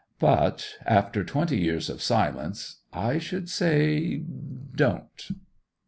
But—after twenty years of silence—I should say, don't!